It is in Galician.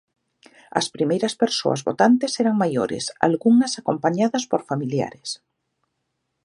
As primeiras persoas votantes eran maiores, algunhas acompañadas por familiares.